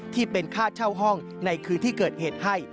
ที่เป็นค่าเช่าห้องในคืนที่เกิดเหตุให้